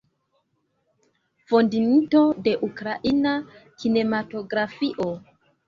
Fondinto de ukraina kinematografio.